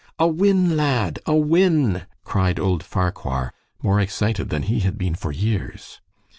"A win, lad! A win!" cried old Farquhar, more excited than he had been for years.